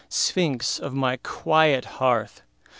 Sphinx of my quiet hearth!